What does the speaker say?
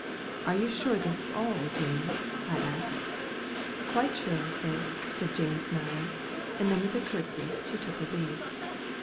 "Are you sure this is all, Jane?" I asked. "Quite sure, sir," said Jane, smiling, and then with a curtsey she took her leave.